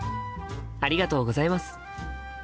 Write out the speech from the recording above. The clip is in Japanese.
ありがとうございます。